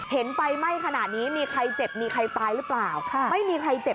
ไฟไหม้ขนาดนี้มีใครเจ็บมีใครตายหรือเปล่าค่ะไม่มีใครเจ็บ